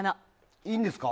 いいんですか？